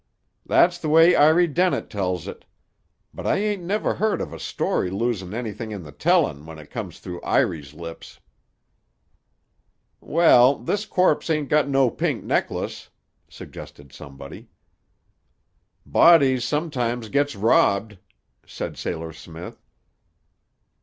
That's the way Iry Dennett tells it. But I ain't never heard of a story losin' anythin' in the tellin' when it come through Iry's lips." "Well, this corpse ain't got no pink necklace," suggested somebody. "Bodies sometimes gets robbed," said Sailor Smith.